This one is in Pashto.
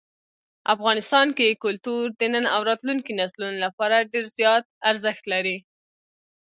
افغانستان کې کلتور د نن او راتلونکي نسلونو لپاره ډېر زیات ارزښت لري.